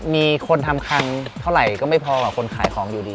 มีคนทำคันเท่าไหร่ก็ไม่พอกับคนขายของอยู่ดี